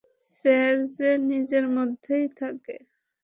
Sir, সে নিজের মধ্যেই থাকে।